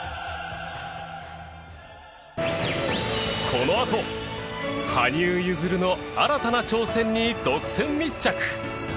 このあと羽生結弦の新たな挑戦に独占密着。